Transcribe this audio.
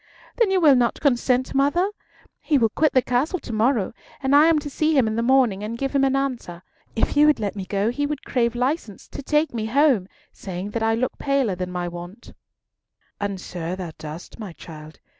"Then will you not consent, mother? He will quit the castle to morrow, and I am to see him in the morning and give him an answer. If you would let me go, he would crave license to take me home, saying that I look paler than my wont." "And so thou dost, child.